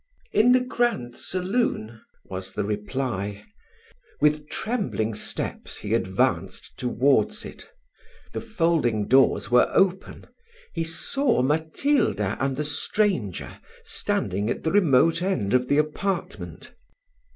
"In the grand saloon," was the reply. With trembling steps he advanced towards it The folding doors were open He saw Matilda and the stranger standing at the remote end of the apartment.